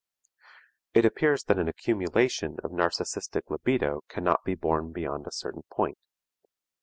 It appears that an accumulation of narcistic libido cannot be borne beyond a certain point.